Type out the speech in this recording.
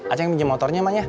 aceh yang pinjam motornya ma ya